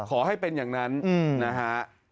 ขอให้เป็นอย่างนั้นนะฮะ